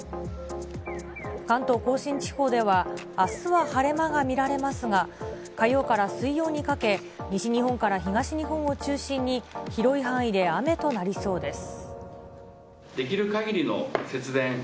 関東甲信地方では、あすは晴れ間が見られますが、火曜から水曜にかけ、西日本から東日本を中心に、広い範囲で雨となりそうです。